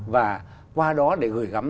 và qua đó để gửi gắm